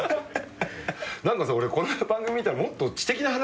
何かさ俺こないだ番組見たらもっと知的な話してない？